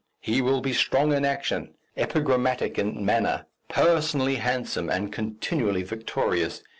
He will be strong in action, epigrammatic in manner, personally handsome and continually victorious.